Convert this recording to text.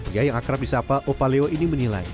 ya yang akrab bisa apa opa leo ini menilai